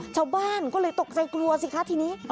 ชาวบ้านก็เลยตกใจกลัวสิคะทีนี้